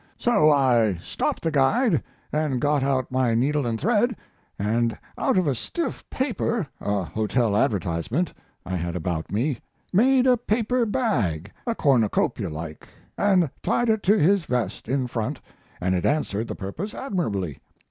So I stopped the guide and got out my needle and thread, and out of a stiff paper, a hotel advertisement, I had about me made a paper bag, a cornucopia like, and tied it to his vest in front, and it answered the purpose admirably.